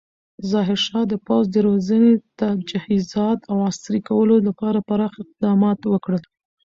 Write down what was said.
ظاهرشاه د پوځ د روزنې، تجهیزات او عصري کولو لپاره پراخ اقدامات وکړل.